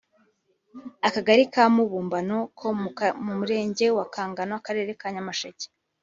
Akagari ka Mubumbano ko mu Murenge wa Kagano Akarere ka Nyamasheke